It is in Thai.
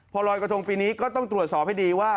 พอลอยกระทงปีนี้ก็ต้องตรวจสอบให้ดีว่า